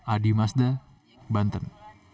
adi masda banten